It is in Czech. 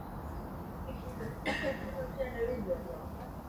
Provedli jsme dvě nová rozšíření webových informačních stránek Dolceta.